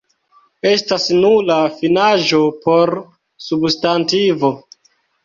Estas nula finaĵo por substantivo.